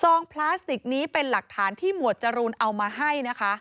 พลาสติกนี้เป็นหลักฐานที่หมวดจรูนเอามาให้นะคะ